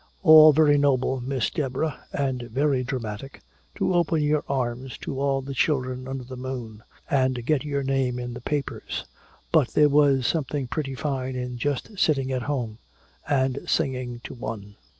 All very noble, Miss Deborah, and very dramatic, to open your arms to all the children under the moon and get your name in the papers. But there was something pretty fine in just sitting at home and singing to one.